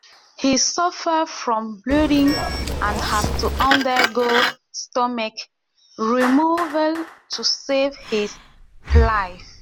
He suffered from bleeding and had to undergo stomach removal to save his life.